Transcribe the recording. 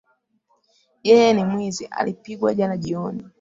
Yeye ni mwizi. Alipigwa jana jioni.